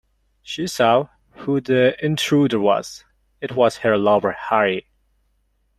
She saw who the intruder was: it was her lover, Harry.